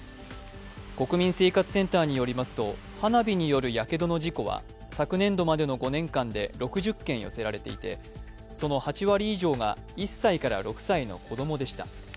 国民生活センターによりますと花火によるやけどの事故は、昨年度までの５年間で６０件寄せられていてその８割以上が１歳から６歳の子供でした。